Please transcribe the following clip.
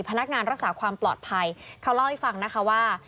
พนักงานรักษาความปลอดภัยเขาเล่าให้ฟังนะคะว่า